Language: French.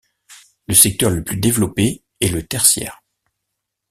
Le secteur le plus développé est le tertiaire.